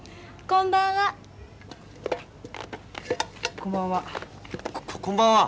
こんばんは。